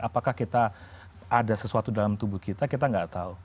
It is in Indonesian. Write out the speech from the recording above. apakah kita ada sesuatu dalam tubuh kita kita nggak tahu